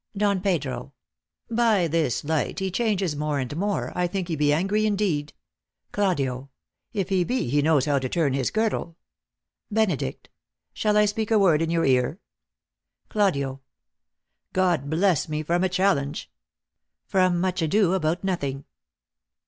Don Pedro. By this light he changes more and more. I think he be angry, indeed. Glaudio. If he be, he knows how to turn his girdle. Benedict. Shall I speak a word in your ear ? Claudio. God bless me from a challenge. MUCH ADO ABOUT NOTHING.